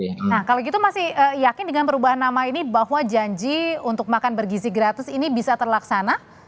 nah kalau gitu masih yakin dengan perubahan nama ini bahwa janji untuk makan bergizi gratis ini bisa terlaksana